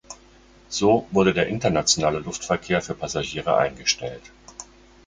So wurde der internationale Luftverkehr für Passagiere eingestellt.